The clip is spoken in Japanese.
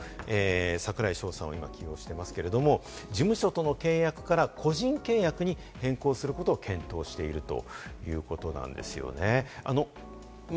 それからアフラック生命保険も、櫻井翔さん、今、起用していますけれども、事務所との契約から個人契約に変更することを検討しているということなんですよね。